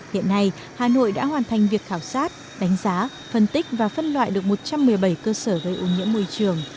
hiện nay hà nội đã hoàn thành việc khảo sát đánh giá phân tích và phân loại được một trăm một mươi bảy cơ sở gây ô nhiễm môi trường